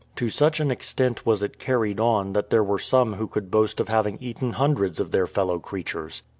To such an extent was it carried on that there were some who could boast of having eaten hundreds of their fellow creatures.